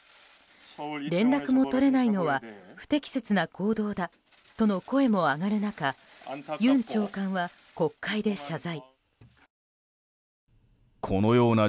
連絡も取れないのは不適切な行動だとの声も上がる中ユン長官は、国会で謝罪。